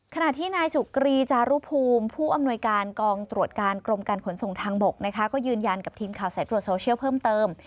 ขณะที่นายสุกรีจารุภูมิผู้อำนวยการกองตรวจการกรมการขนส่งทางบกนะคะก็ยืนยันกับทีมข่าวสายตรวจโซเชียลเพิ่มเติม